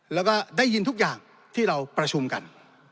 แล้วก็ได้ยินทุกอย่างที่เราประชุมกัน